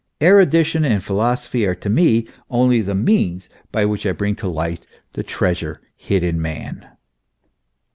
Erudi tion and philosophy are to me only the means by which I bring to light the treasure hid in man.